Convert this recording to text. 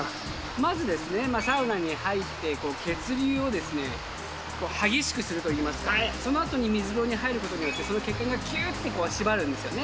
まずですね、サウナに入って、血流を激しくするといいますか、そのあとに水風呂に入ることによって、その血管がぎゅっと締まるんですよね。